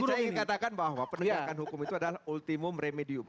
jadi saya ingin katakan bahwa penegakan hukum itu adalah ultimum remedium